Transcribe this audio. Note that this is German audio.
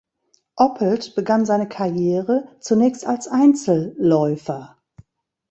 Oppelt begann seine Karriere zunächst als Einzelläufer.